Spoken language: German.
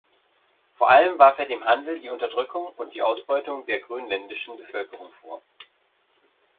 Vor allem warf er dem Handel die Unterdrückung und Ausbeutung der grönländischen Bevölkerung vor.